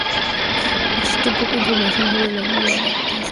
Existe poca información sobre la vida de este autor.